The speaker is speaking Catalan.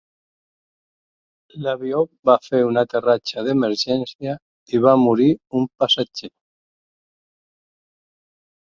L'avió va fer un aterratge d'emergència i va morir un passatger.